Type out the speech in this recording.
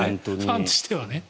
ファンとしては。